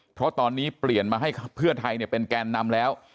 เพราะตอนนี้เปลี่ยนมาให้เพื่อไทยเป็นแกนนำแล้ว